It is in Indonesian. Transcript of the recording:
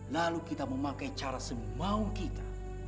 lalu kita memakai cara semau kita